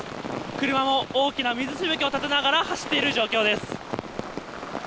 車も大きな水しぶきを上げながら走っている状況です。